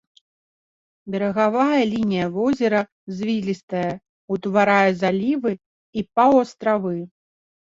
Берагавая лінія возера звілістая, утварае залівы і паўастравы.